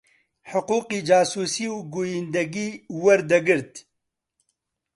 حقووقی جاسووسی و گوویندەگی وەردەگرت